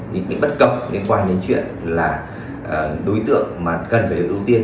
những cái bất cập liên quan đến chuyện là đối tượng mà cần phải được ưu tiên